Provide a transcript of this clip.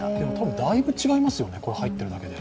だいぶ違いますよね、これが入ってるだけで。